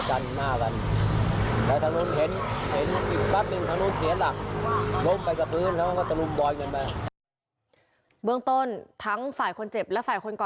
ช้านี้มีอาวุธทั้งสองฝั่ง